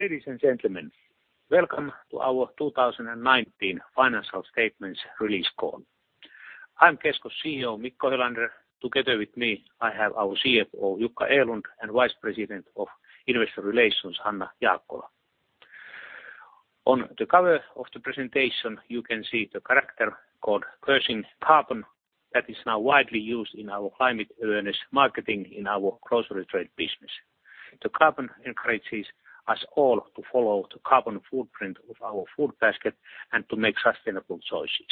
Ladies and gentlemen, welcome to our 2019 financial statements release call. I'm Kesko's CEO, Mikko Helander. Together with me, I have our CFO, Jukka Erlund, and Vice President of Investor Relations, Hanna Jaakkola. On the cover of the presentation, you can see the character called K-Crushing Carbon that is now widely used in our climate awareness marketing in our grocery trade business. The Carbon encourages us all to follow the carbon footprint of our food basket and to make sustainable choices.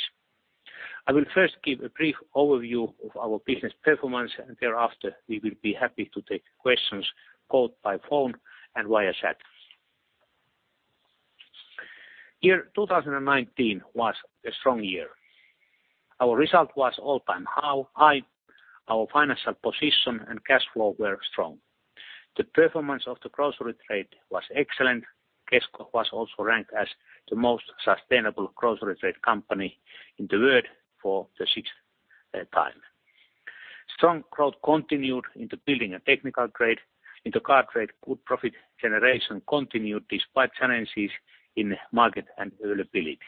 I will first give a brief overview of our business performance, and thereafter, we will be happy to take questions both by phone and via chat. Year 2019 was a strong year. Our result was all-time high. Our financial position and cash flow were strong. The performance of the grocery trade was excellent. Kesko was also ranked as the most sustainable grocery trade company in the world for the sixth time. Strong growth continued into building and technical trade. In the car trade, good profit generation continued despite challenges in market and availability.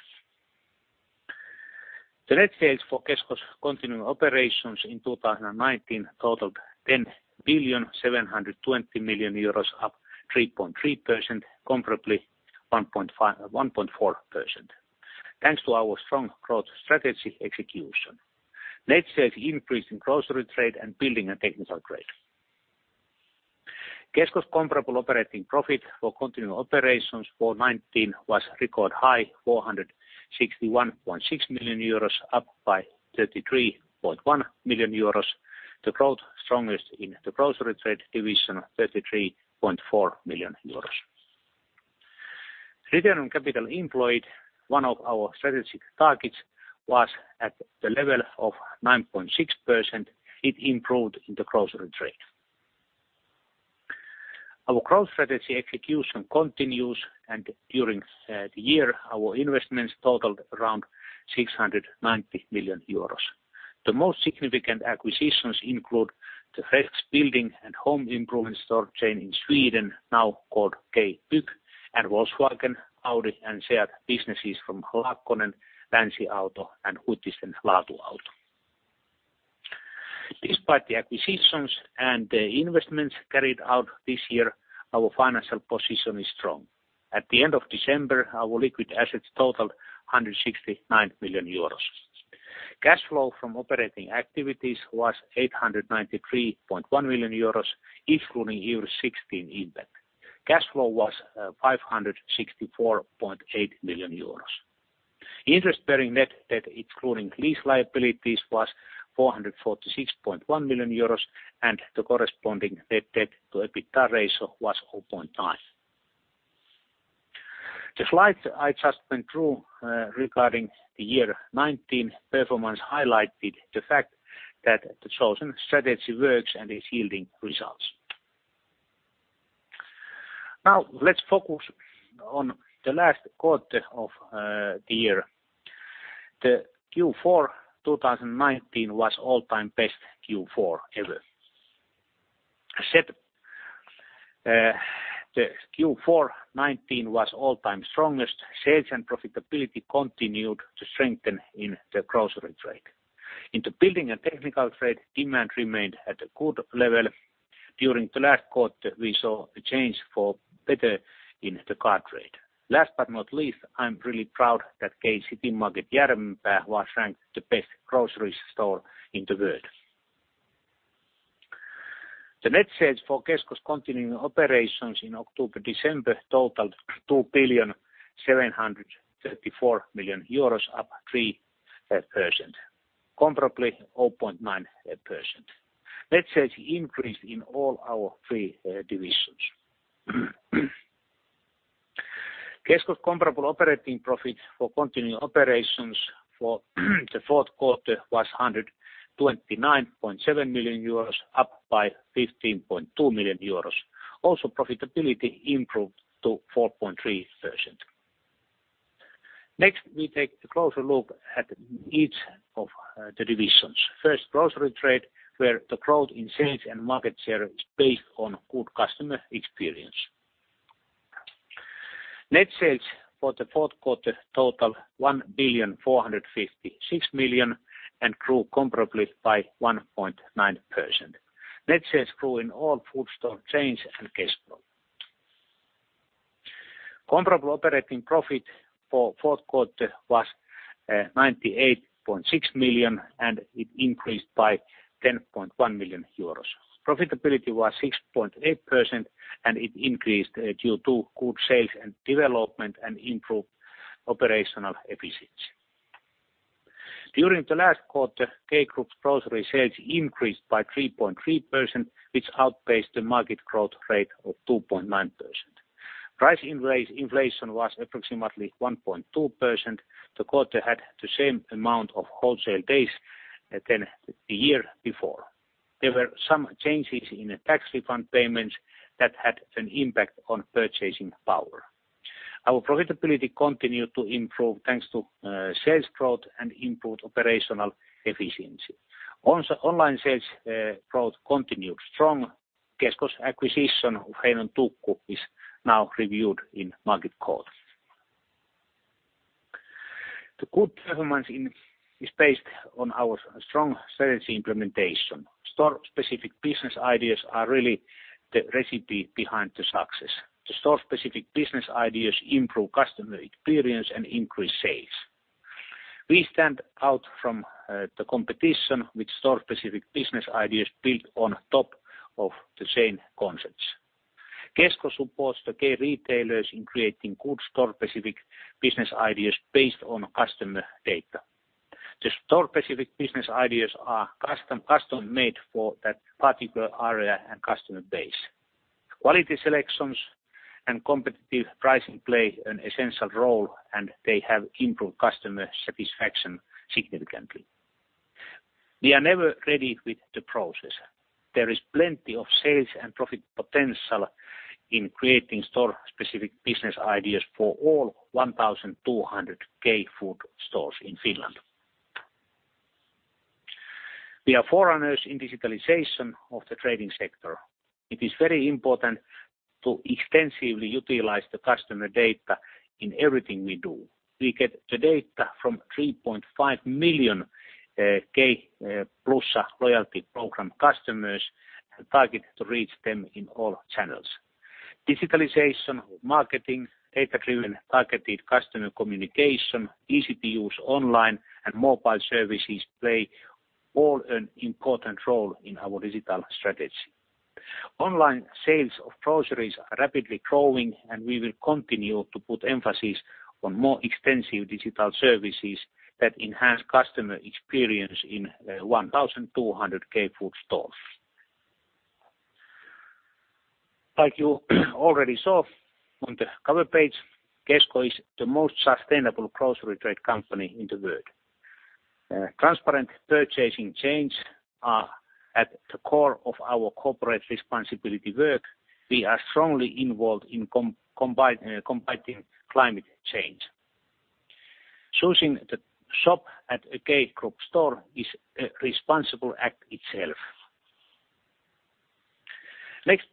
The net sales for Kesko's continuing operations in 2019 totaled 10.72 billion, up 3.3%, comparably 1.4%. Thanks to our strong growth strategy execution. Net sales increased in grocery trade and building and technical trade. Kesko's comparable operating profit for continuing operations for 2019 was record high, 461.6 million euros, up by 33.1 million euros. The growth strongest in the grocery trade division, 33.4 million euros. Return on capital employed, one of our strategic targets, was at the level of 9.6%. It improved in the grocery trade. Our growth strategy execution continues. During the year, our investments totaled around 690 million euros. The most significant acquisitions include the Fresks building and home improvement store chain in Sweden, now called K-Bygg, and Volkswagen, Audi, and Seat businesses from Laakkonen, LänsiAuto and Huhtisen Laatuauto. Despite the acquisitions and the investments carried out this year, our financial position is strong. At the end of December, our liquid assets totaled 169 million euros. Cash flow from operating activities was 893.1 million euros, excluding year 2016 impact. Cash flow was 564.8 million euros. Interest-bearing net debt, including lease liabilities, was 446.1 million euros, and the corresponding net debt to EBITDA ratio was 0.9. The slides I just went through regarding the year 2019 performance highlighted the fact that the chosen strategy works and is yielding results. Now, let's focus on the last quarter of the year. The Q4 2019 was all-time best Q4 ever. The Q4 2019 was all-time strongest. Sales and profitability continued to strengthen in the grocery trade. In the building and technical trade, demand remained at a good level. During the last quarter, we saw a change for better in the car trade. Last but not least, I'm really proud that K-Citymarket Järvenpää was ranked the best grocery store in the world. The net sales for Kesko's continuing operations in October, December totaled 2 billion 734 million, up 3%. Comparably 0.9%. Net sales increased in all our three divisions. Kesko's comparable operating profit for continuing operations for the fourth quarter was 129.7 million euros, up by 15.2 million euros. Also, profitability improved to 4.3%. Next, we take a closer look at each of the divisions. First, grocery trade, where the growth in sales and market share is based on good customer experience. Net sales for the fourth quarter total 1,456 million and grew comparably by 1.9%. Net sales grew in all food store chains and cash flow. Comparable operating profit for fourth quarter was 98.6 million. It increased by 10.1 million euros. Profitability was 6.8%. It increased due to good sales and development and improved operational efficiency. During the last quarter, K Group's grocery sales increased by 3.3%, which outpaced the market growth rate of 2.9%. Price inflation was approximately 1.2%. The quarter had the same amount of wholesale days than the year before. There were some changes in the tax refund payments that had an impact on purchasing power. Our profitability continued to improve thanks to sales growth and improved operational efficiency. Online sales growth continued strong. Kesko's acquisition of Heinon Tukku is now reviewed in Market Court. The good performance is based on our strong strategy implementation. Store-specific business ideas are really the recipe behind the success. The store-specific business ideas improve customer experience and increase sales. We stand out from the competition with store-specific business ideas built on top of the same concepts. Kesko supports the K-retailers in creating good store-specific business ideas based on customer data. The store-specific business ideas are custom-made for that particular area and customer base. Quality selections and competitive pricing play an essential role, and they have improved customer satisfaction significantly. We are never ready with the process. There is plenty of sales and profit potential in creating store-specific business ideas for all 1,200 K food stores in Finland. We are forerunners in digitalization of the trading sector. It is very important to extensively utilize the customer data in everything we do. We get the data from 3.5 million K-Plussa loyalty program customers and target to reach them in all channels. Digitalization of marketing, data-driven targeted customer communication, easy-to-use online and mobile services play all an important role in our digital strategy. Online sales of groceries are rapidly growing, and we will continue to put emphasis on more extensive digital services that enhance customer experience in 1,200 K food stores. Like you already saw on the cover page, Kesko is the most sustainable grocery trade company in the world. Transparent purchasing chains are at the core of our corporate responsibility work. We are strongly involved in combating climate change. Choosing to shop at a K Group store is a responsible act itself.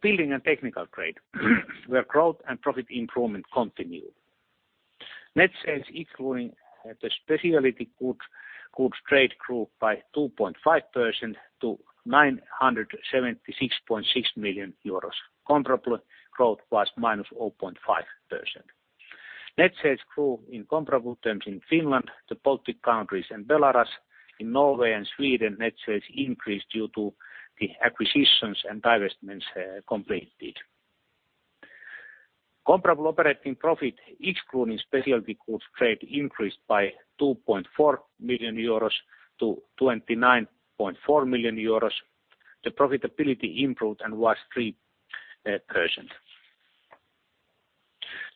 Building and Technical Trade, where growth and profit improvement continue. Net sales, including the specialty goods trade, grew by 2.5% to 976.6 million euros. Comparable growth was -0.5%. Net sales grew in comparable terms in Finland, the Baltic countries and Belarus. In Norway and Sweden, net sales increased due to the acquisitions and divestments completed. Comparable operating profit, excluding specialty goods trade, increased by 2.4 million euros to 29.4 million euros. The profitability improved and was 3%.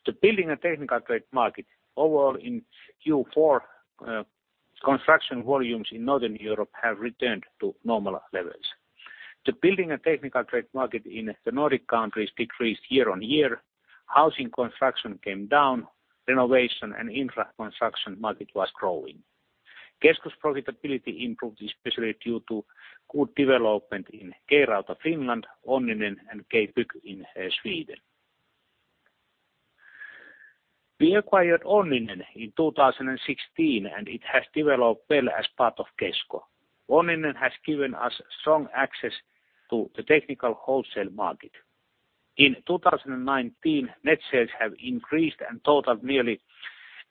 The building and technical trade market overall in Q4, construction volumes in Northern Europe have returned to normal levels. The building and technical trade market in the Nordic countries decreased year-on-year. Housing construction came down. Renovation and infra construction market was growing. Kesko's profitability improved especially due to good development in K-Rauta Finland, Onninen, and K-Bygg in Sweden. We acquired Onninen in 2016, and it has developed well as part of Kesko. Onninen has given us strong access to the technical wholesale market. In 2019, net sales have increased and totaled nearly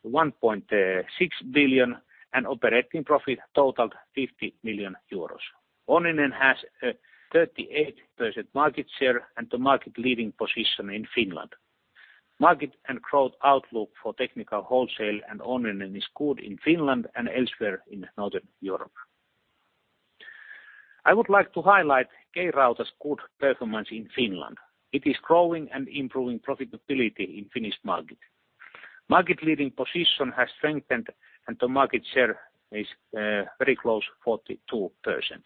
1.6 billion and operating profit totaled 50 million euros. Onninen has a 38% market share and the market-leading position in Finland. Market and growth outlook for technical wholesale and Onninen is good in Finland and elsewhere in Northern Europe. I would like to highlight K-Rauta's good performance in Finland. It is growing and improving profitability in Finnish market. Market-leading position has strengthened and the market share is very close to 42%.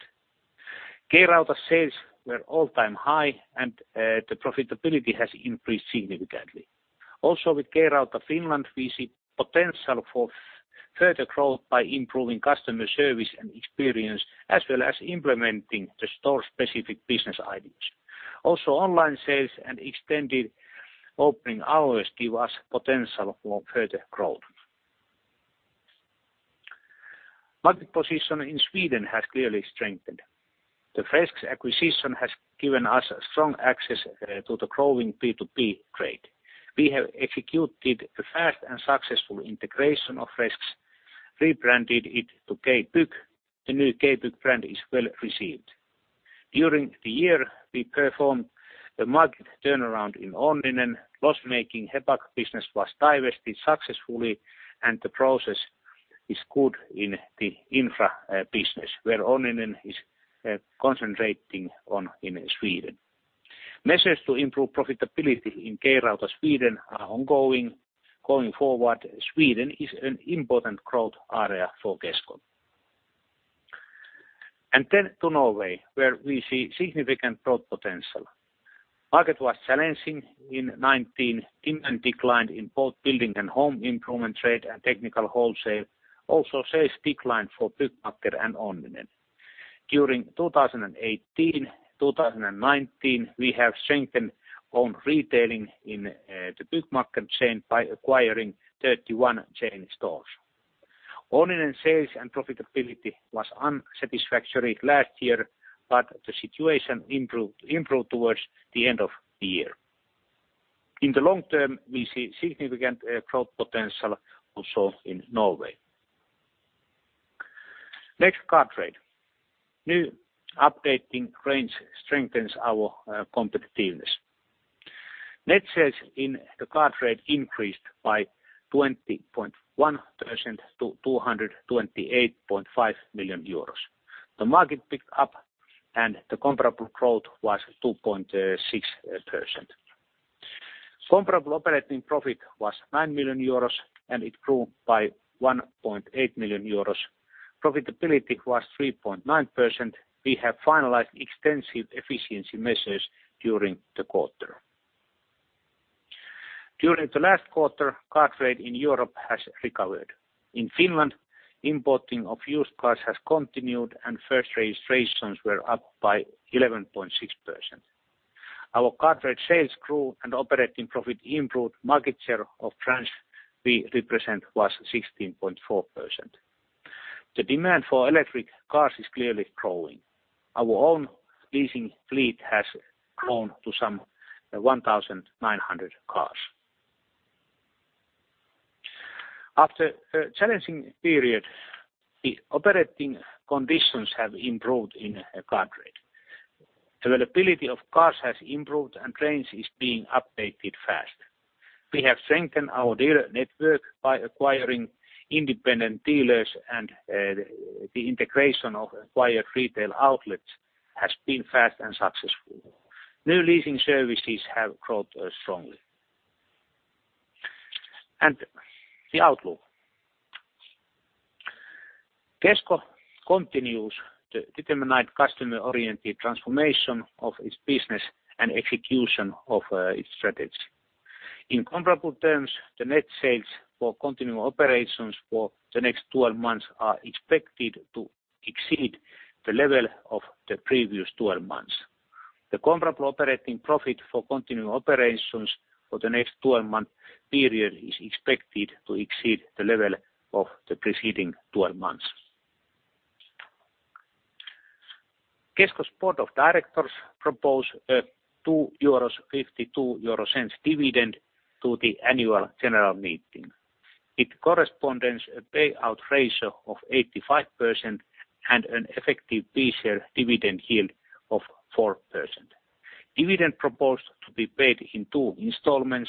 K-Rauta sales were all-time high and the profitability has increased significantly. With K-Rauta Finland, we see potential for further growth by improving customer service and experience, as well as implementing the store-specific business ideas. Online sales and extended opening hours give us potential for further growth. Market position in Sweden has clearly strengthened. The Fresks acquisition has given us strong access to the growing B2B trade. We have executed a fast and successful integration of Fresks, rebranded it to K-Bygg. The new K-Bygg brand is well received. During the year, we performed a market turnaround in Onninen. Loss-making HEPAC business was divested successfully and the process is good in the infra business, where Onninen is concentrating on in Sweden. Measures to improve profitability in K-Rauta Sweden are ongoing. Going forward, Sweden is an important growth area for Kesko. Then to Norway, where we see significant growth potential. Market was challenging in 2019, demand declined in both building and home improvement rate and technical wholesale, also sales declined for Byggmakker and Onninen. During 2018-2019, we have strengthened own retailing in the Byggmakker chain by acquiring 31 chain stores. Onninen sales and profitability was unsatisfactory last year, but the situation improved towards the end of the year. In the long term, we see significant growth potential also in Norway. Next, Car Trade. New updating range strengthens our competitiveness. Net sales in the Car Trade increased by 20.1% to 228.5 million euros. The market picked up and the comparable growth was 2.6%. Comparable operating profit was 9 million euros and it grew by 1.8 million euros. Profitability was 3.9%. We have finalized extensive efficiency measures during the quarter. During the last quarter, Car Trade in Europe has recovered. In Finland, importing of used cars has continued and first registrations were up by 11.6%. Our Car Trade sales grew and operating profit improved market share of France we represent was 16.4%. The demand for electric cars is clearly growing. Our own leasing fleet has grown to some 1,900 cars. After a challenging period, the operating conditions have improved in Car Trade. Availability of cars has improved and range is being updated fast. We have strengthened our dealer network by acquiring independent dealers and the integration of acquired retail outlets has been fast and successful. New leasing services have grown strongly. The outlook. Kesko continues the determined customer-oriented transformation of its business and execution of its strategy. In comparable terms, the net sales for continuing operations for the next 12 months are expected to exceed the level of the previous 12 months. The comparable operating profit for continuing operations for the next 12-month period is expected to exceed the level of the preceding 12 months. Kesko's board of directors propose a 2.52 euro dividend to the annual general meeting. It corresponds a payout ratio of 85% and an effective B share dividend yield of 4%. Dividend proposed to be paid in two installments.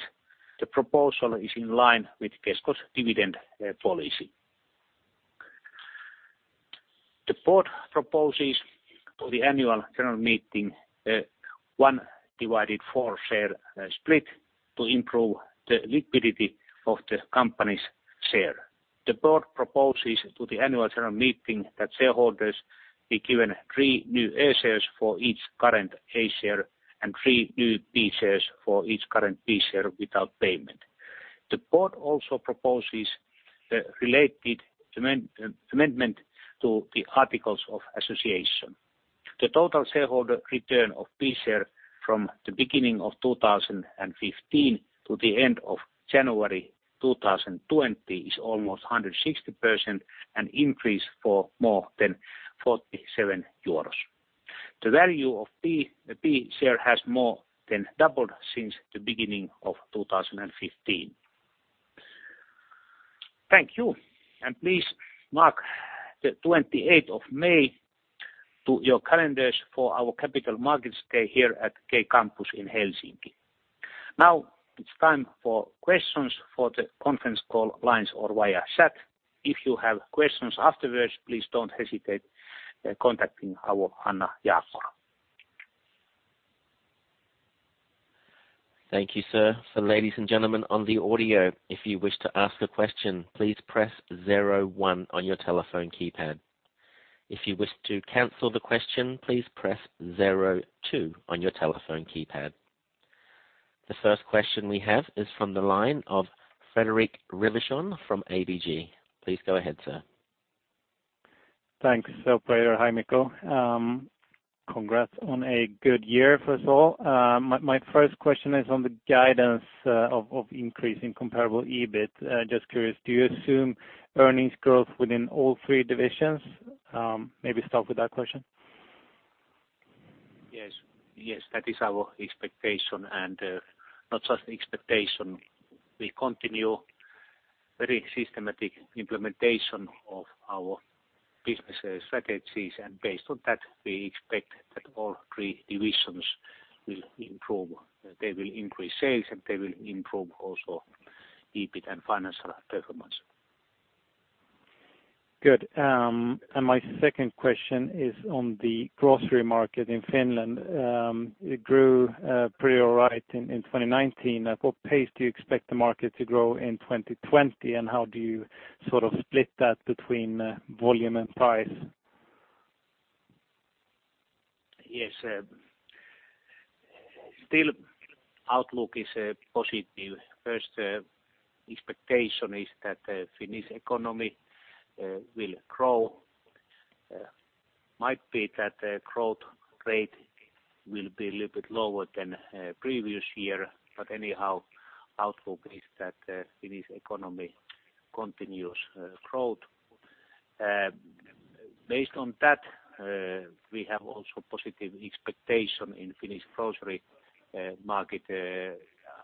The proposal is in line with Kesko's dividend policy. The board proposes to the annual general meeting a one divided four share split to improve the liquidity of the company's share. The board proposes to the annual general meeting that shareholders be given three new A shares for each current A share and three new B shares for each current B share without payment. The board also proposes a related amendment to the articles of association. The total shareholder return of B share from the beginning of 2015 to the end of January 2020 is almost 160% and increased for more than 47 euros. The value of B share has more than doubled since the beginning of 2015. Thank you. Please mark the 28th of May to your calendars for our capital markets day here at K Campus in Helsinki. Now it's time for questions for the conference call lines or via chat. If you have questions afterwards, please don't hesitate contacting our Hanna Jaakkola. Thank you, sir. Ladies and gentlemen on the audio, if you wish to ask a question, please press zero one on your telephone keypad. If you wish to cancel the question, please press zero two on your telephone keypad. The first question we have is from the line of Fredrik Ivarsson from ABG. Please go ahead, sir. Thanks, operator. Hi, Mikko. Congrats on a good year first of all. My first question is on the guidance of increasing comparable EBIT. Just curious, do you assume earnings growth within all three divisions? Maybe start with that question. Yes. That is our expectation and not just expectation. We continue very systematic implementation of our business strategies and based on that, we expect that all three divisions will improve. They will increase sales and they will improve also EBIT and financial performance. Good. My second question is on the grocery market in Finland. It grew pretty all right in 2019. At what pace do you expect the market to grow in 2020 and how do you sort of split that between volume and price? Yes. Still outlook is positive. First expectation is that the Finnish economy will grow. Might be that the growth rate will be a little bit lower than previous year. Anyhow, outlook is that Finnish economy continues growth. Based on that, we have also positive expectation in Finnish grocery market.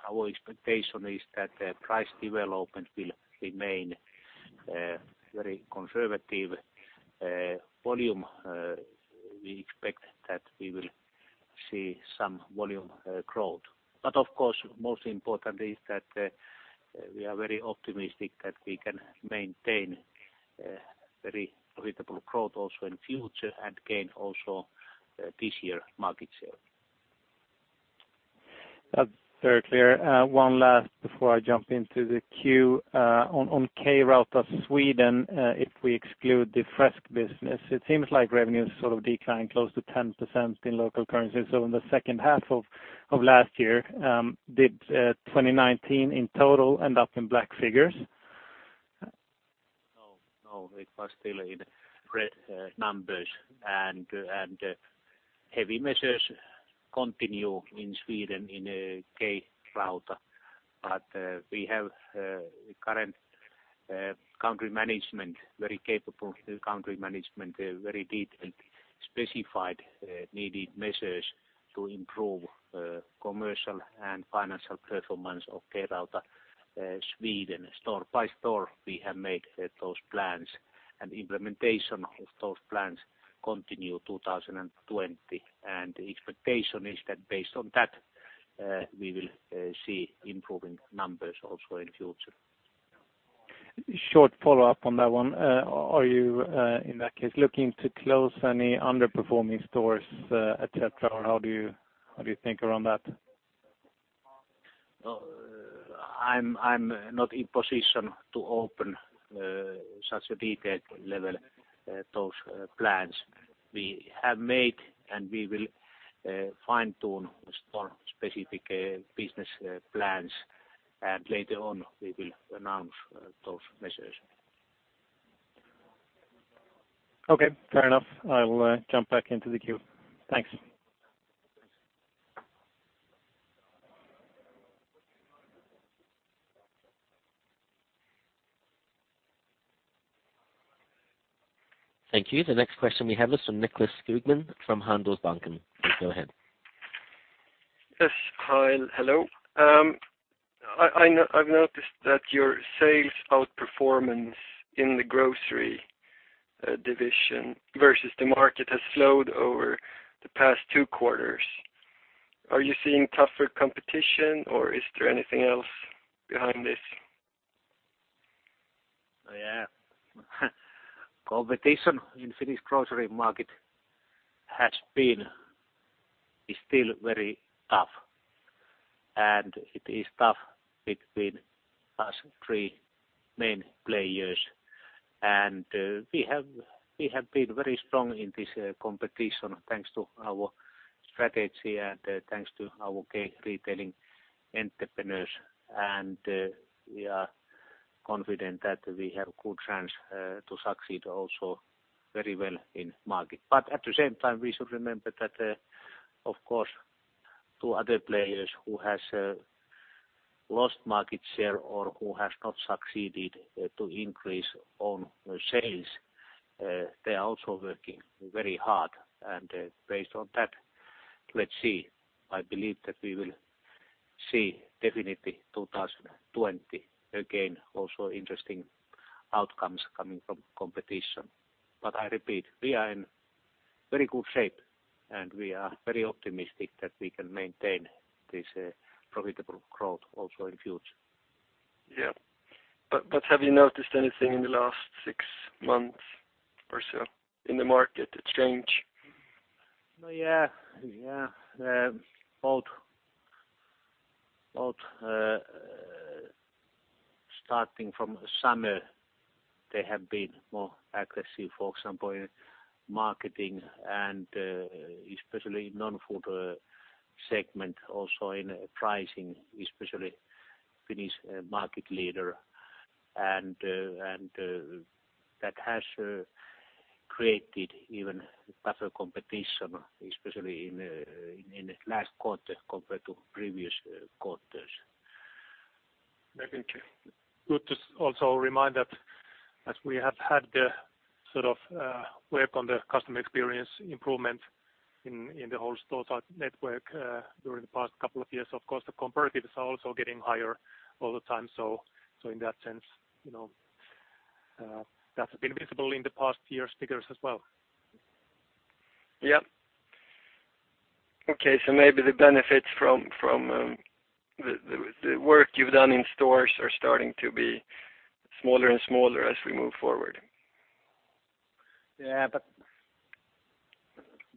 Our expectation is that the price development will remain very conservative. Volume, we expect that we will see some volume growth. Of course, most important is that we are very optimistic that we can maintain very profitable growth also in future and gain also this year market share. That's very clear. One last before I jump into the queue. On K-Rauta Sweden if we exclude the Fresks business, it seems like revenues sort of declined close to 10% in local currency. In the second half of last year, did 2019 in total end up in black figures? It was still in red numbers and heavy measures continue in Sweden in K-Rauta. We have current country management, very capable country management, very detailed, specified needed measures to improve commercial and financial performance of K-Rauta Sweden. Store by store, we have made those plans and implementation of those plans continue 2020. The expectation is that based on that, we will see improving numbers also in future. Short follow-up on that one. Are you in that case looking to close any underperforming stores, et cetera, or how do you think around that? I'm not in position to open such a detailed level those plans we have made, and we will fine-tune store-specific business plans, and later on we will announce those measures. Okay, fair enough. I will jump back into the queue. Thanks. Thank you. The next question we have is from Nicklas Skogman from Handelsbanken. Please go ahead. Yes. Hi. Hello. I've noticed that your sales outperformance in the grocery division versus the market has slowed over the past two quarters. Are you seeing tougher competition or is there anything else behind this? Yeah. Competition in Finnish grocery market is still very tough. It is tough between us three main players. We have been very strong in this competition thanks to our strategy and thanks to our K-retailers. We are confident that we have good chance to succeed also very well in market. At the same time, we should remember that, of course, two other players who has lost market share or who has not succeeded to increase on sales, they are also working very hard. Based on that, let's see. I believe that we will see definitely 2020 again also interesting outcomes coming from competition. I repeat, we are in very good shape, and we are very optimistic that we can maintain this profitable growth also in future. Yeah. Have you noticed anything in the last six months or so in the market that's changed? Yeah. Both starting from summer, they have been more aggressive, for example, in marketing and especially non-food segment, also in pricing, especially Finnish market leader. That has created even tougher competition, especially in last quarter compared to previous quarters. Thank you. Good to also remind that as we have had the sort of work on the customer experience improvement in the whole store type network during the past couple of years, of course, the competitors are also getting higher all the time. In that sense, that's been visible in the past year's figures as well. Yeah. Okay. Maybe the benefits from the work you've done in stores are starting to be smaller and smaller as we move forward. Yeah,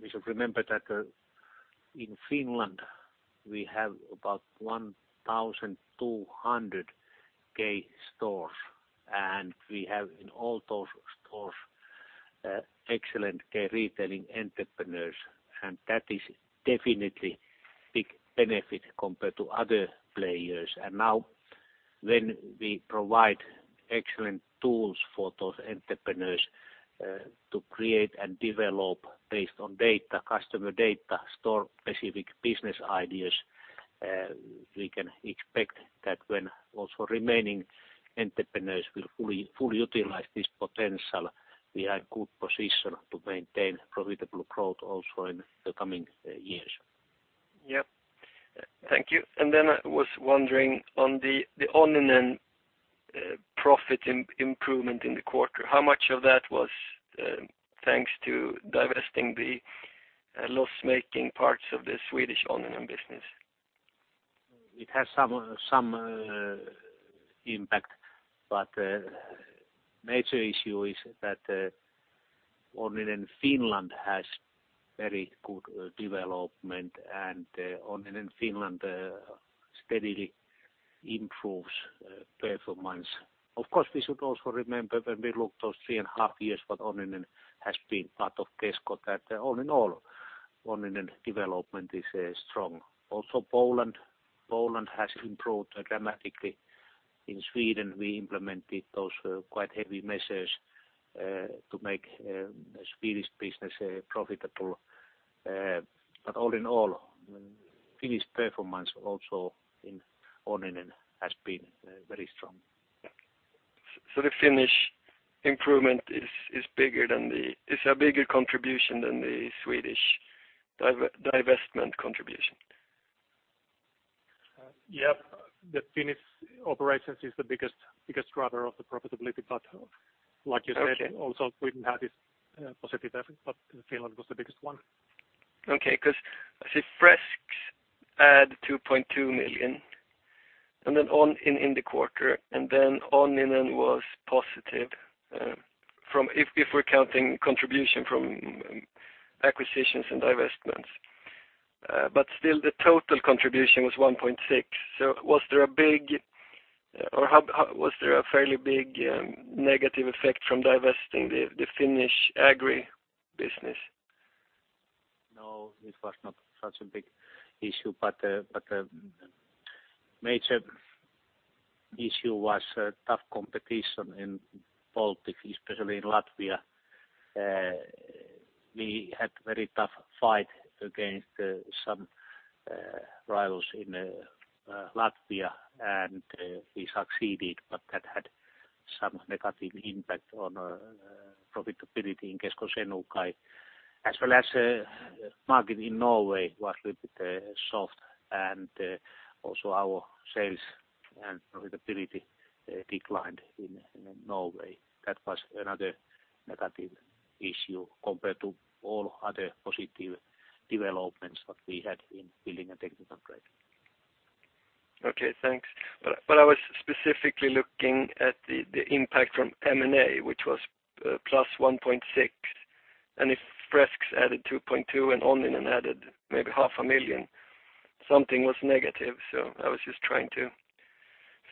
we should remember that in Finland, we have about 1,200 K stores, and we have in all those stores excellent K retailing entrepreneurs, and that is definitely big benefit compared to other players. Now when we provide excellent tools for those entrepreneurs to create and develop based on customer data, store specific business ideas, we can expect that when also remaining entrepreneurs will fully utilize this potential, we are in good position to maintain profitable growth also in the coming years. Yes. Thank you. I was wondering on the Onninen profit improvement in the quarter, how much of that was thanks to divesting the loss-making parts of the Swedish Onninen business? It has some impact, but major issue is that Onninen Finland has very good development and Onninen Finland steadily improves performance. Of course, we should also remember when we look those three and a half years what Onninen has been part of Kesko that all in all, Onninen development is strong. Poland has improved dramatically. In Sweden, we implemented those quite heavy measures to make Swedish business profitable. All in all, Finnish performance also in Onninen has been very strong. The Finnish improvement is a bigger contribution than the Swedish divestment contribution? Yes. The Finnish operations is the biggest driver of the profitability. Like you said, also Sweden had its positive effort, but Finland was the biggest one. I see Fresks add 2.2 million and then Onninen in the quarter, and then Onninen was positive if we're counting contribution from acquisitions and divestments. Still the total contribution was EUR 1.6. Was there a fairly big negative effect from divesting the Finnish agri business? No, it was not such a big issue, but major issue was tough competition in Baltic, especially in Latvia. We had very tough fight against some rivals in Latvia and we succeeded, but that had some negative impact on profitability in Kesko Senukai. As well as market in Norway was little bit soft and also our sales and profitability declined in Norway. That was another negative issue compared to all other positive developments that we had in building and technical trade. Okay, thanks. I was specifically looking at the impact from M&A, which was plus 1.6 million, and if Fresks added 2.2 million and Onninen added maybe half a million EUR, something was negative. I was just trying to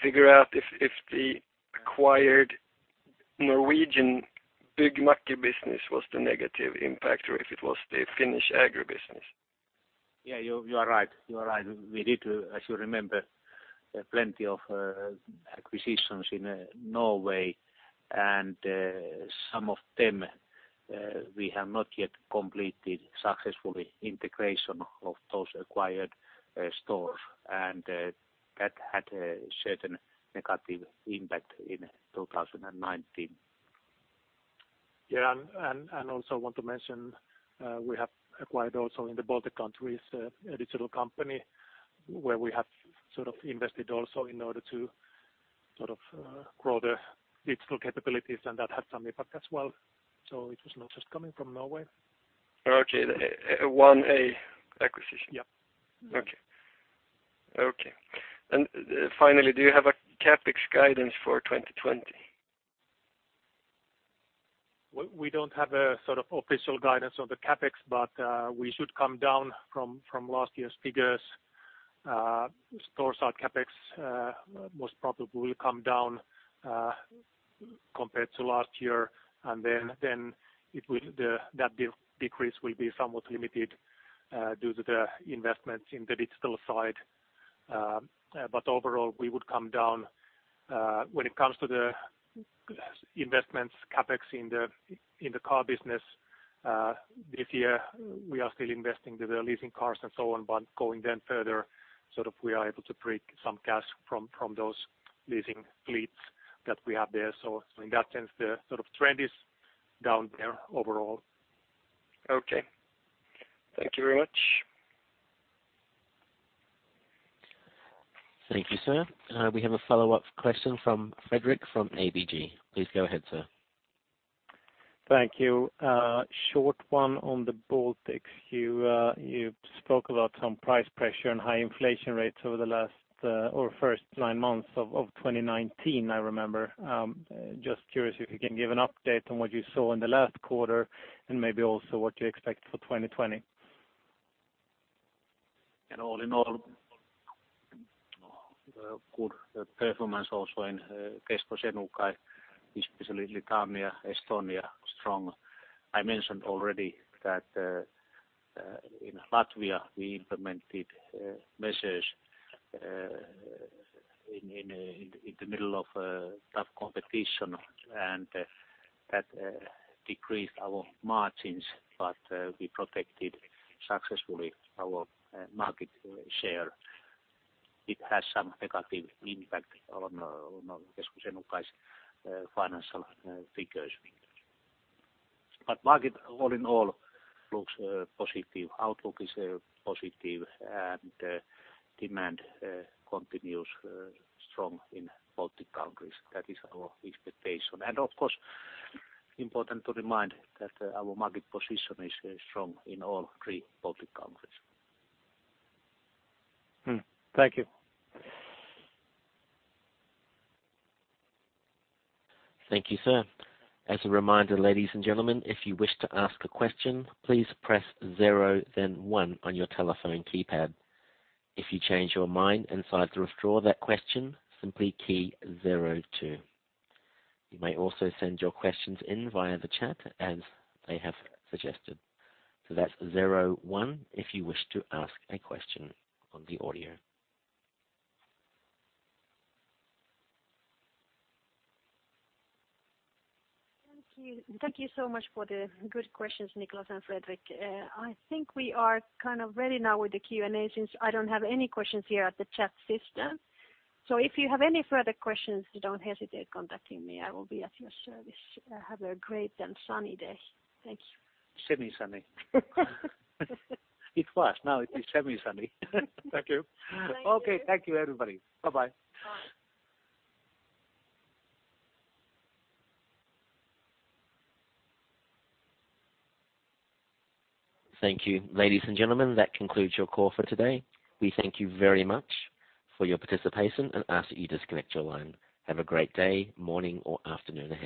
figure out if the acquired Norwegian Byggmakker business was the negative impact or if it was the Finnish agri business. Yeah, you are right. We did, as you remember, plenty of acquisitions in Norway, and some of them we have not yet completed successfully integration of those acquired stores. That had a certain negative impact in 2019. Also I want to mention, we have acquired also in the Baltic countries a digital company where we have sort of invested also in order to sort of grow the digital capabilities. That had some impact as well. It was not just coming from Norway. Okay. 1A acquisition? Yes. Okay. Finally, do you have a CapEx guidance for 2020? We don't have a sort of official guidance on the CapEx. We should come down from last year's figures. Store side CapEx most probably will come down compared to last year. That decrease will be somewhat limited due to the investments in the digital side. Overall, we would come down when it comes to the investments CapEx in the car business this year, we are still investing the leasing cars and so on. Going further, sort of we are able to break some cash from those leasing fleets that we have there. In that sense, the sort of trend is down there overall. Okay. Thank you very much. Thank you, sir. We have a follow-up question from Fredrik from ABG. Please go ahead, sir. Thank you. Short one on the Baltics. You spoke about some price pressure and high inflation rates over the last or first nine months of 2019, I remember. Just curious if you can give an update on what you saw in the last quarter and maybe also what you expect for 2020. All in all, good performance also in Kesko Senukai, especially Lithuania, Estonia, strong. I mentioned already that in Latvia we implemented measures in the middle of tough competition and that decreased our margins, but we protected successfully our market share. It has some negative impact on Kesko Senukai's financial figures. Market all in all looks positive. Outlook is positive and demand continues strong in Baltic countries. That is our expectation. Of course, important to remind that our market position is strong in all three Baltic countries. Thank you. Thank you, sir. As a reminder, ladies and gentlemen, if you wish to ask a question, please press zero then one on your telephone keypad. If you change your mind and decide to withdraw that question, simply key zero two. You may also send your questions in via the chat as they have suggested. That's zero one if you wish to ask a question on the audio. Thank you so much for the good questions, Nicklas and Fredrik. I think we are kind of ready now with the Q&A since I don't have any questions here at the chat system. If you have any further questions, don't hesitate contacting me. I will be at your service. Have a great and sunny day. Thank you. Semi-sunny. It was. Now it is semi-sunny. Thank you. Thank you. Okay. Thank you, everybody. Bye bye. Bye. Thank you. Ladies and gentlemen, that concludes your call for today. We thank you very much for your participation and ask that you disconnect your line. Have a great day, morning, or afternoon ahead.